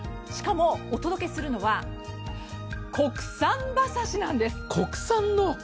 しかもお届けするのは国産馬刺しなんです。